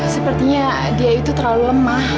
sepertinya dia itu terlalu lemah